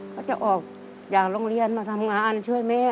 เขาจะออกจากโรงเรียนมาทำงานช่วยแม่